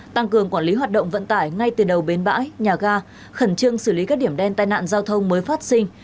tăng cường quản lý hoạt động vận tải ngay từ đầu bến bãi nhà ga khẩn trương xử lý các điểm đen tai nạn giao thông mới phát sinh